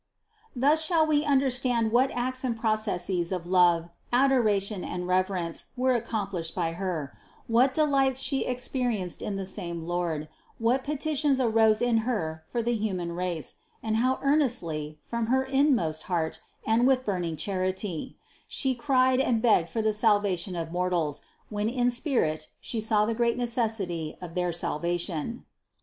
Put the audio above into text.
Thus shall we understand what acts and processes of love, adoration and reverence, were accom plished by Her; what delights She experienced in the same Lord, what petitions arose in Her for the human race, and how earnestly, from her inmost heart and with burning charity, She cried and begged for the sal vation of mortals, when in spirit She saw the great necessity of their salvation.